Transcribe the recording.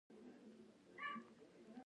پوست د لمر ساتي.